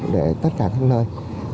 để tất cả các nơi